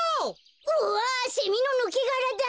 うわセミのぬけがらだ！